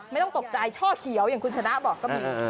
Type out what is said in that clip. ไม่ต้องตกใจช่อเขียวอย่างคุณชนะบอกก็มี